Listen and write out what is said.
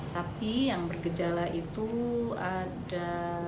tapi yang bergejala itu ada delapan belas